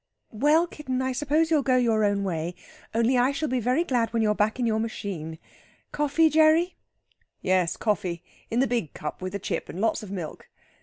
"Well, kitten, I suppose you'll go your own way; only I shall be very glad when you're back in your machine. Coffee, Gerry?" "Yes, coffee in the big cup with the chip, and lots of milk.